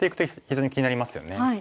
非常に気になりますよね。